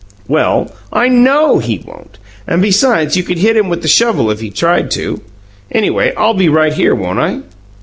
"Well, I KNOW he won't, and, besides, you could hit him with the shovel if he tried to. Anyhow, I'll be right here, won't I?"